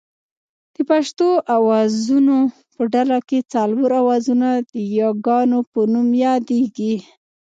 د پښتو آوازونو په ډله کې څلور آوازونه د یاګانو په نوم یادېږي